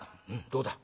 「どうだ？